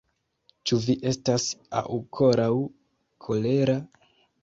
Ĉu vi estas aukoraŭ kolera?